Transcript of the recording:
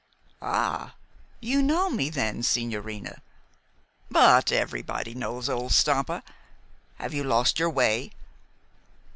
"Ah, you know me, then, sigñorina! But everybody knows old Stampa. Have you lost your way?"